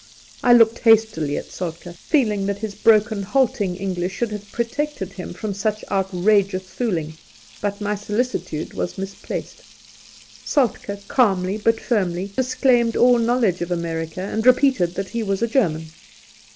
I looked hastily at Soltk^, feeling that his broken, halting English should have protected him from such outrageous fooling, but my solicitude was misplaced. Soltkd calmly, but firmly, disclaimed aU knowledge .of America, and repeated that he was a German.